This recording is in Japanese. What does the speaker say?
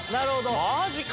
マジか！